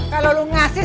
kalau lo ngasih